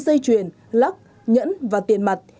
dây chuyền lác nhẫn và tiền mặt